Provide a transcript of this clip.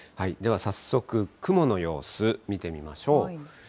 では早速、雲の様子、見てみましょう。